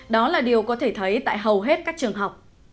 đó là điều có thể thấy tại hầu hết các trường học